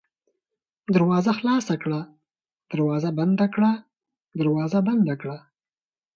دروازه خلاصه کړه ، دروازه بنده کړه ، دروازه بنده کړه